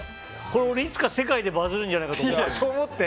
これ、俺いつか世界でバズるんじゃないかと思って。